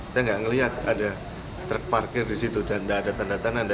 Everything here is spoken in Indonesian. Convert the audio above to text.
saya nggak melihat ada truk parkir di situ dan tidak ada tanda tanda